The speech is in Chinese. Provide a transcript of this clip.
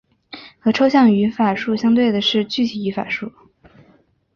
和抽象语法树相对的是具体语法树。